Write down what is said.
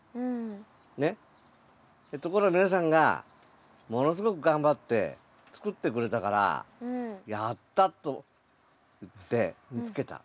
ねっところが皆さんがものすごく頑張って作ってくれたから「やった！」といって見つけた。